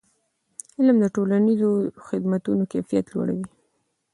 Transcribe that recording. علم د ټولنیزو خدمتونو کیفیت لوړوي.